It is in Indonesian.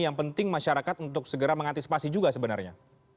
yang penting masyarakat untuk segera mengantisipasi juga sebenarnya